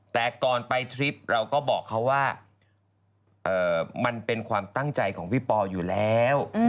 แต่ก่อนไปทริปเราก็บอกเขาว่ามันเป็นความตั้งใจของพี่ปออยู่แล้ว